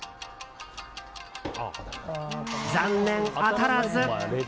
残念、当たらず。